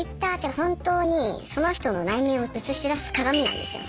本当にその人の内面を映し出す鏡なんですよね。